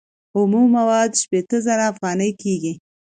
اومه مواد شپیته زره افغانۍ کېږي